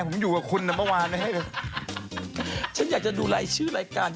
ผมไม่ว่างไงผมถ่ายรายการ